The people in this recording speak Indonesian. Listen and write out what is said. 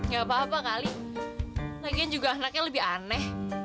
gak apa apa kali lagian juga anaknya lebih aneh